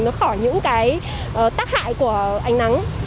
để những cái tắc hại của ánh nắng